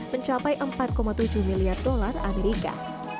mencapai empat tujuh miliar dolar amerika